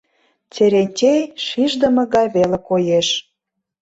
Терентей шиждыме гай веле коеш.